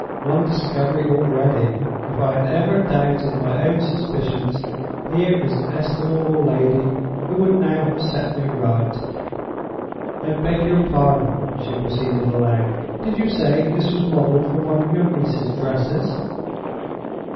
"One discovery already. If I had ever doubted my own suspicions, here is an estimable lady who would now have set me right.—I beg your pardon," she proceeded, aloud, "did you say this was modeled from one of your niece's dresses?"